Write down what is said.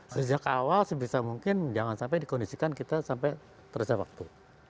sejak awal sebisa mungkin jangan sampai dikondisikan kita sampai terjawab waktu